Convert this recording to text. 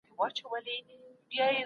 زه کولای شم د خپلو ملګرو سره تماس ونیسم.